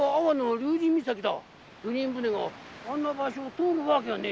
流人船があんな場所を通るわけがねぇ。